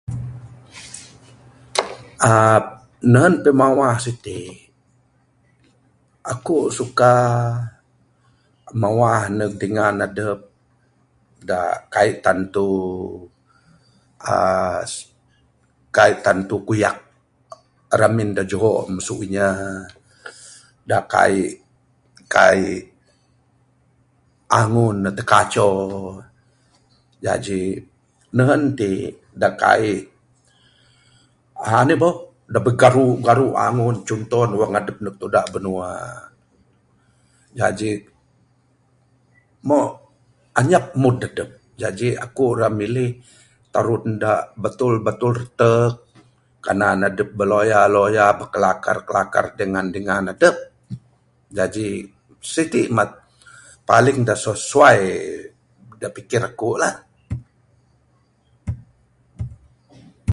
uhh Nehun pimawah siti', akuk suka mawah ndug dingan adup dak ka'ik tantu uhh ka'ik tantu kuyak. Ramin da juho masu inya. Dak ka'ik, ka'ik angun ne dog kaco. Jaji nehun tik da ka'ik, anih boh da bigaru'-garu' angun, conto ne wang adup ndug tudak binua. Jaji, moh anyap mood adup. Jaji akuk rak milih tarun dak betul-betul retuk. Kanan adup beloya-loya, bekelakar-kelakar dengan dingan adup. jadi sitik mah paling dak paling sesuai da' pikir akuk lah.